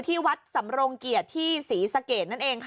ที่วัดสำรงเกียรติที่ศรีสะเกดนั่นเองค่ะ